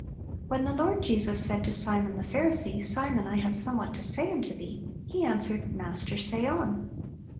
When the Lord Jesus said to Simon the Pharisee, "Simon, I have somewhat to say unto thee;" he answered, "Master, say on!"